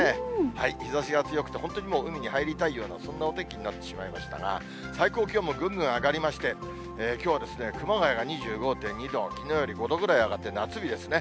日ざしが強くて、本当にもう、海に入りたいような、そんなお天気になってしまいましたが、最高気温もぐんぐん上がりまして、きょうは熊谷が２５．２度、きのうより５度ぐらい上がって夏日ですね。